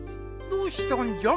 どうしたんじゃ？